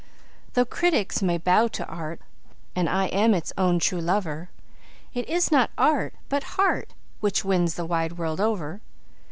Though critics may bow to art, and I am its own true lover, It is not art, but heart, which wins the wide world over.